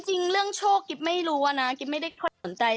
จริงเรื่องโชคกิ๊บไม่รู้อะนะกิ๊บไม่ได้ค่อยสนใจ